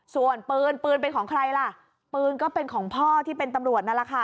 ส่วนปืนปืนเป็นของใครล่ะปืนก็เป็นของพ่อที่เป็นตำรวจนั่นแหละค่ะ